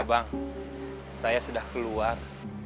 bang saya sudah keluar